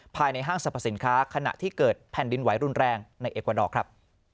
ภายในห้างสรรพสินค้าขณะที่เกิดแผ่นดินไหวรุนแรงในเอกวาดอร์ครับ